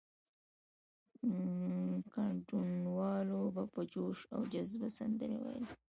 ګډونوالو به په جوش او جذبه سندرې ویلې.